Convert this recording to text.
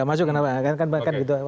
iya kenapa ini tidak masuk